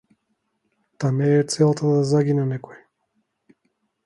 Та не е целта да загине некој!